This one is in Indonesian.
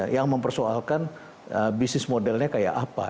yang mempersoalkan bisnis modelnya kayak apa